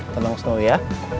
tenang snowy ya